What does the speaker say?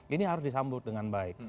ini harus disambut dengan baik